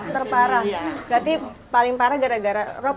terparah berarti paling parah gara gara rop